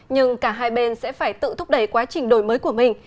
nhưng cả hai bên sẽ phải tự thúc đẩy quá trình đổi mới của mình